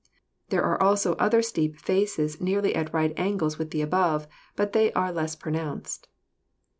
There are also other steep faces nearly at right angles with the above, but they are less pronounced."